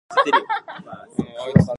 Washington was born and raised in California.